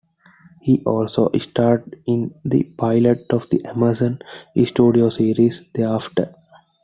He also starred in the pilot of the Amazon Studios series "The After".